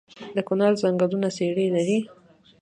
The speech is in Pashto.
د کونړ ځنګلونه څیړۍ لري؟